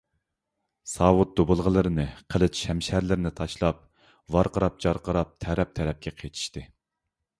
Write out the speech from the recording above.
ساۋۇت - دۇبۇلغىلىرىنى، قىلىچ - شەمشەرلىرىنى تاشلاپ، ۋارقىراپ - جارقىراپ تەرەپ - تەرەپكە قېچىشتى.